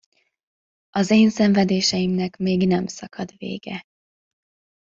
Az én szenvedéseimnek még nem szakad vége!